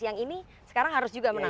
yang ini sekarang harus juga menarik